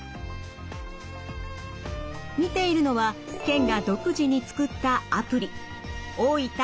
見ているのは県が独自に作ったアプリ。